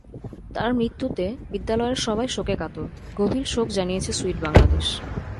তার মৃত্যুতে বিদ্যালয়ের সবাই শোকে কাতর, গভীর শোক জানিয়েছে সুইড বাংলাদেশ।